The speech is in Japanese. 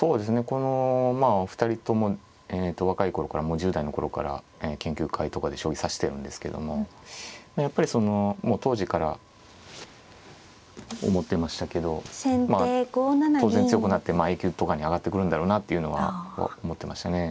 このまあお二人とも若い頃からもう１０代の頃から研究会とかで将棋指してるんですけどもやっぱりそのもう当時から思ってましたけどまあ当然強くなってＡ級とかに上がってくるんだろうなっていうのは思ってましたね。